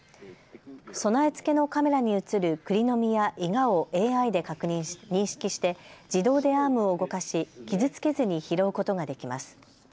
備え付けのカメラに写るくりの実やいがをＡＩで認識して自動でアームを動かし傷つけずに拾うことができます。